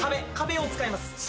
壁を使います。